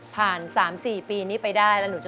ผ่าน๓๔ปีไปได้แล้ว